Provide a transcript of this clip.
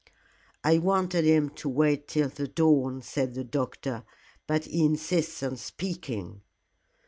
"I wanted him to wait till the dawn," said the doctor, "but he insists on speaking."